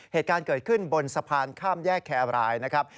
เหตุการณ์เกิดขึ้นบนสะพานข้ามแยกแครรายนะครับ